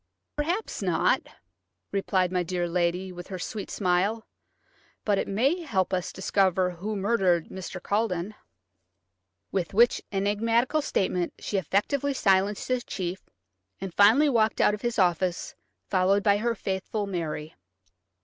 "Perhaps not," replied my dear lady, with her sweet smile; "but it may help us to discover who murdered Mr. Culledon." With which enigmatical statement she effectually silenced the chief, and finally walked out of his office, followed by her faithful Mary.